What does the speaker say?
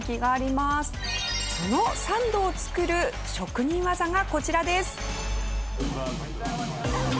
そのサンドを作る職人技がこちらです。